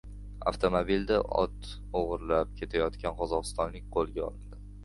Avtomobilda ot o‘g‘irlab ketayotgan qozog‘istonlik qo‘lga olindi